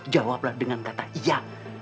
jawablah dengan kata iya